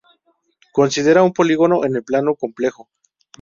Considera un polígono en el plano complejo.